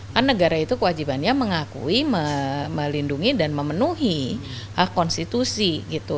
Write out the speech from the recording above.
kan negara itu kewajibannya mengakui melindungi dan memenuhi hak konstitusi gitu